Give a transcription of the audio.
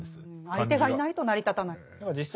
相手がいないと成り立たない。